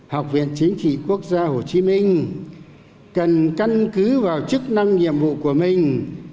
học viện chính trị quốc gia hồ chí minh cần căn cứ vào chức năng nhiệm vụ của mình